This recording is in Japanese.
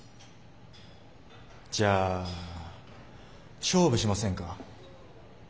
じゃあ勝負しませんか？